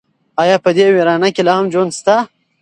ایا په دې ویرانه کې لا هم ژوند شته؟